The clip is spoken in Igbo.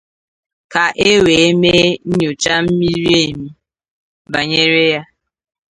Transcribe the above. ka e wee mee nnyocha miri èmi banyere ya.